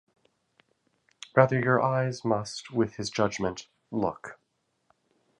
Rather your eyes must with his judgment look.